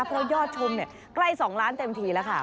เพราะยอดชมใกล้๒ล้านเต็มทีแล้วค่ะ